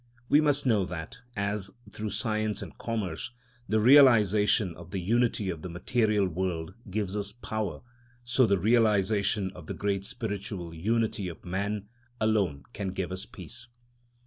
We must know that, as, through science and commerce, the realisation of the unity of the material world gives us power, so the realisation of the great spiritual Unity of Man alone can give us peace.